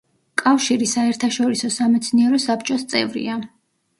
კავშირი საერთაშორისო სამეცნიერო საბჭოს წევრია.